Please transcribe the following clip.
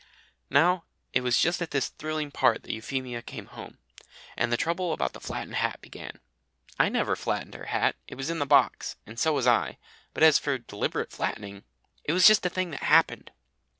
Now it was just at this thrilling part that Euphemia came home, and the trouble about the flattened hat began. I never flattened her hat. It was in the box, and so was I; but as for deliberate flattening It was just a thing that happened.